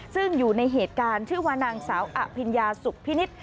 ซึ่งอยู่ในเหตุการณ์ชื่อว่านางสาวอภิญญาสุขพินิษฐ์